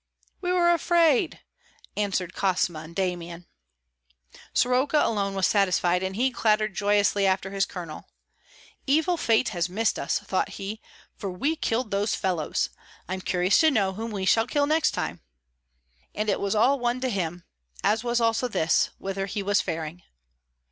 "We were afraid!" answered Kosma and Damian. Soroka alone was satisfied, and he clattered joyously after his colonel. "Evil fate has missed us," thought he, "for we killed those fellows. I'm curious to know whom we shall kill next time." And it was all one to him, as was also this, whither he was faring.